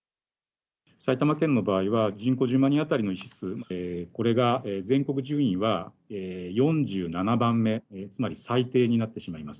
埼玉県の場合は、人口１０万人当たりの医師数、これが、全国順位は４７番目、つまり最低になってしまいます。